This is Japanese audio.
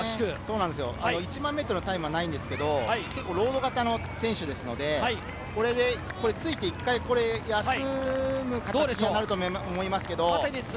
１００００ｍのタイムはないんですけど結構、ロード型の選手なので、これでついて一回休む形になると思いますけど。